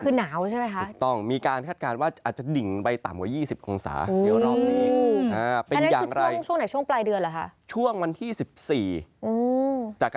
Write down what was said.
คือหนาวใช่มั้ยคะ